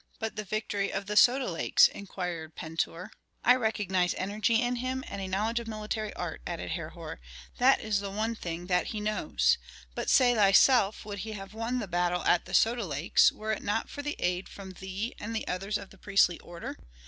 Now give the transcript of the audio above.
"But the victory of the Soda Lakes?" inquired Pentuer. "I recognize energy in him, and a knowledge of military art," added Herhor. "That is the one thing that he knows. But say thyself would he have won the battle at the Soda Lakes were it not for aid from thee and others of the priestly order?